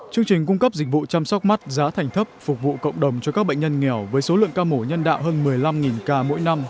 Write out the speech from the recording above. chương trình cung cấp dịch vụ chăm sóc mắt giá thành thấp phục vụ cộng đồng cho các bệnh nhân nghèo với số lượng ca mổ nhân đạo hơn một mươi năm ca mỗi năm